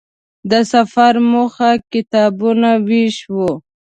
د سفر موخه کتابونو وېش و.